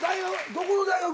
どこの大学？